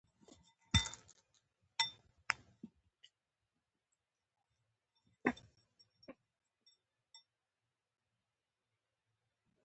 ایا زما اعصاب به ارام شي؟